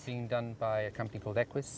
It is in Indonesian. perusahaan yang bernama equus